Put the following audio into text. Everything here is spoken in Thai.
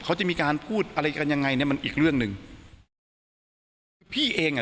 เขาจะมีการพูดอะไรกันยังไงเนี้ยมันอีกเรื่องหนึ่งคือพี่เองอ่ะ